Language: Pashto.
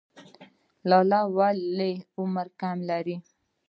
لاله ولې عمر کم لري؟